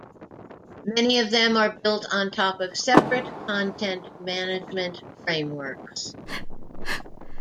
Many of them are built on top of separate content management frameworks.